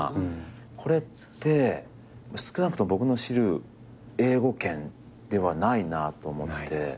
これって少なくとも僕の知る英語圏ではないなと思って。